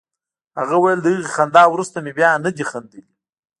هغه ویل له هغې خندا وروسته مې بیا نه دي خندلي